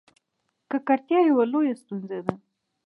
ککړتیا یوه لویه ستونزه ده.